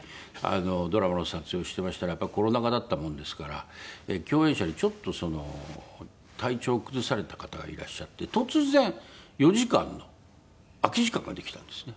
ドラマの撮影をしてましたらやっぱりコロナ禍だったものですから共演者にちょっと体調を崩された方がいらっしゃって突然４時間の空き時間ができたんですね。